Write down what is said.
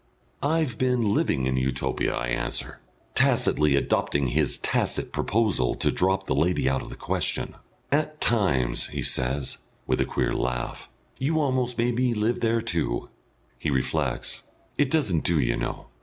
"I've been living in Utopia," I answer, tacitly adopting his tacit proposal to drop the lady out of the question. "At times," he says, with a queer laugh, "you've almost made me live there too." He reflects. "It doesn't do, you know.